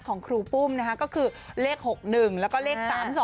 ครูปุ้มนะคะก็คือเลข๖๑แล้วก็เลข๓๒